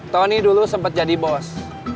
tony dulu sempat jadi bos